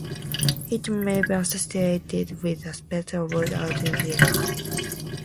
It may be associated with aspects of autophobia.